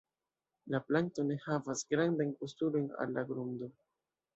La planto ne havas grandajn postulojn al la grundo.